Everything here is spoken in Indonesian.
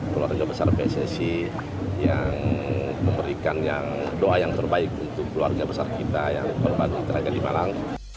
keluarga besar pssi yang memberikan doa yang terbaik untuk keluarga besar kita yang berbagi tenaga di malang